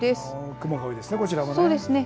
雲が多いですね、こちらもね。